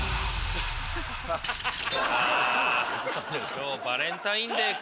今日バレンタインデーか。